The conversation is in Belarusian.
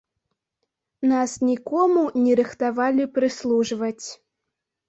Нас нікому не рыхтавалі прыслужваць.